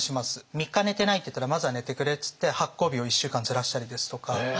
３日寝てないって言ったらまずは寝てくれって言って発行日を１週間ずらしたりですとか。